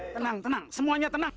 tenang tenang semuanya tenang